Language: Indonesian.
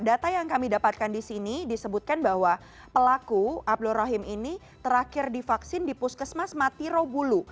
data yang kami dapatkan di sini disebutkan bahwa pelaku abdul rahim ini terakhir divaksin di puskesmas matirobulu